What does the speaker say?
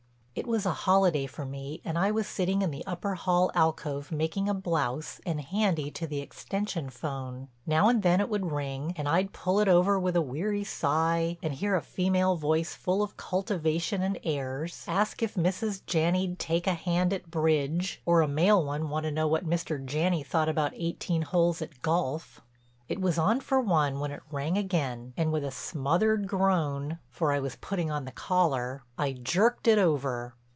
It was a holiday for me and I was sitting in the upper hall alcove making a blouse and handy to the extension 'phone. Now and then it would ring and I'd pull it over with a weary sigh and hear a female voice full of cultivation and airs ask if Mrs. Janney'd take a hand at bridge, or a male one want to know what Mr. Janney thought about eighteen holes at golf. It was on for one when it rang again and with a smothered groan—for I was putting on the collar—I jerked it over.